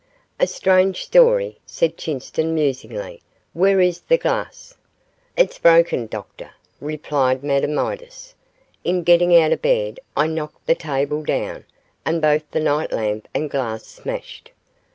'A strange story,' said Chinston, musingly, 'where is the glass?' 'It's broken, doctor,' replied Madame Midas; 'in getting out of bed I knocked the table down, and both the night lamp and glass smashed.